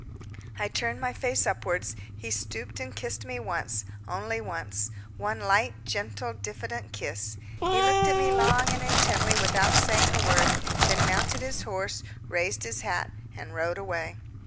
I turned my face upwards; he stooped and kissed me once only once one light, gentle, diffident kiss. He looked at me long and intently without saying a word, then mounted his horse, raised his hat, and rode away.